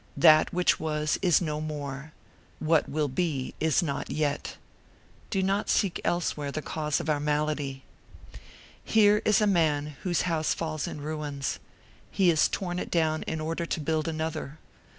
That which was is no more; what will be, is not yet. Do not seek elsewhere the cause of our malady. Here is a man whose house falls in ruins; he has torn it down in order to build another.